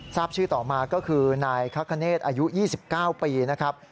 ทราบชื่อต่อมาก็คือนายคเนธอายุ๒๙ปีนะครับ